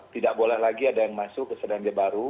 tidak boleh lagi ada yang masuk ke selandia baru